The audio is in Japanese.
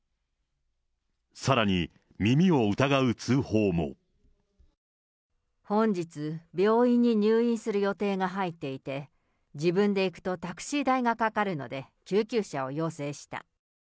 さらに、本日、病院に入院する予定が入っていて、自分で行くとタクシー代がかかるので、救急車を要請した。